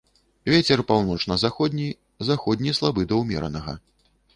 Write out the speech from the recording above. Вецер паўночна-заходні, заходні слабы да ўмеранага.